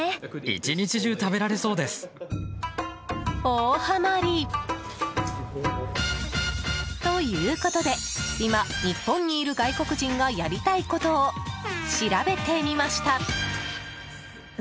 大ハマリ！ということで今、日本にいる外国人がやりたいことを調べてみました。